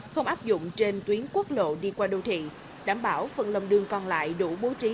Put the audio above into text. không áp dụng trên tuyến quốc lộ đi qua đô thị đảm bảo phần lòng đường còn lại đủ bố trí